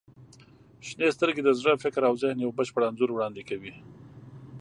• شنې سترګې د زړه، فکر او ذهن یو بشپړ انځور وړاندې کوي.